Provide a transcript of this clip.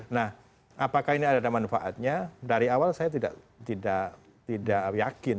nah apakah ini ada manfaatnya dari awal saya tidak yakin